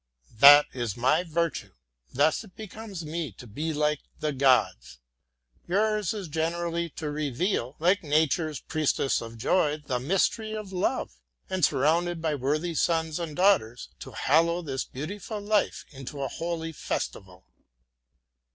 That is my virtue; thus it becomes me to be like the gods. Yours is gently to reveal, like Nature's priestess of joy, the mystery of love; and, surrounded by worthy sons and daughters, to hallow this beautiful life into a holy festival.